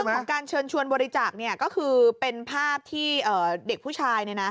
ของการเชิญชวนบริจาคก็คือเป็นภาพที่เด็กผู้ชาย